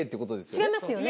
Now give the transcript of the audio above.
違いますよね？